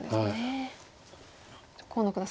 河野九段